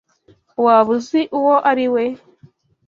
Waba uzi uwo ari we?